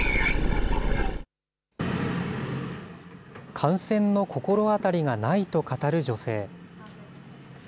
感染の心当たりがないと語る女性。